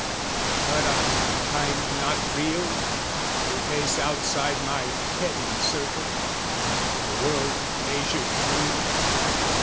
But are mankind not real, who pace outside My petty circle, the world measured me?